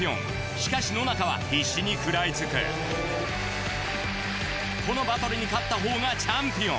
しかし野中は必死に食らいつくこのバトルに勝ったほうがチャンピオン。